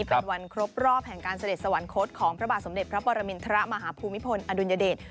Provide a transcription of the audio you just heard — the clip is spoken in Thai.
เป็นวันครบรอบแห่งการเสด็จสวรรคตของพระบาทสมเด็จพระปรมินทรมาฮภูมิพลอดุลยเดช